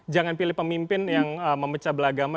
jangan pilih pemimpin yang memecah belagama